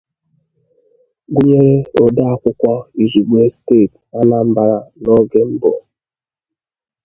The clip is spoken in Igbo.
gụnyere odeakwụkwọ izugbe steeti Anambra n'oge mbụ